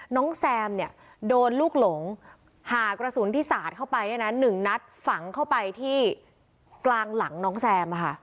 แซมเนี่ยโดนลูกหลงหากระสุนที่สาดเข้าไปเนี่ยนะหนึ่งนัดฝังเข้าไปที่กลางหลังน้องแซม